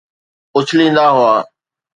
اڇليندا هئا